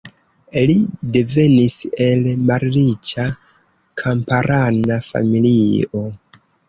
Li devenis el malriĉa kamparana familio.